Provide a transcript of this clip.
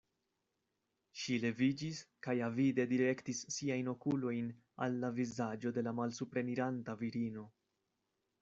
Ŝi leviĝis kaj avide direktis siajn okulojn al la vizaĝo de la malsupreniranta virino.